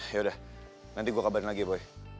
ya udah nanti gue kabarin lagi boy